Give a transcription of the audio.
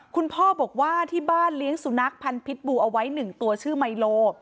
คุณพ่อบอกว่าที่บ้านเลี้ยงสุนัขพันธ์พิษบูเอาไว้๑ตัวชื่อไมโล